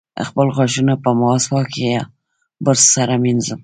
خپل غاښونه په مسواک یا برس سره مینځم.